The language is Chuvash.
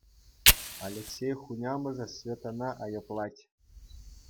Алексей хунямӑшне Светӑна айӑплать.